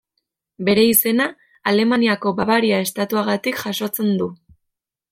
Bere izena, Alemaniako Bavaria estatuagatik jasotzen du.